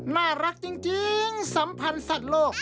น่ารักจริงสัมพันธ์สัตว์โลก